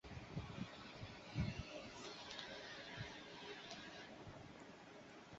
এ কাজে তিনি একে অপরের বিপরীত দিকে ঘূর্ণায়মান দুইটি চাকতি ব্যবহার করেন।